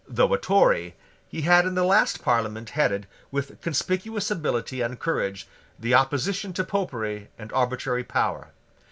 Though a Tory, he had in the last Parliament headed, with conspicuous ability and courage, the opposition to Popery and arbitrary power.